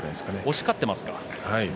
押し勝ってますか。